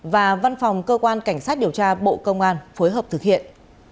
và văn phòng cơ quan cảnh sát điều tra bộ công an phối hợp thực hiện